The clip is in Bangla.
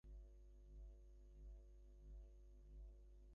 নিসার আলি এক দিন আড়ালে বসে কথাবার্তা শুনলেন।